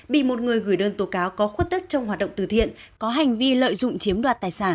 bị một người gửi đơn tố cáo có khuất tức trong hoạt động từ thiện có hành vi lợi dụng chiếm đoạt tài sản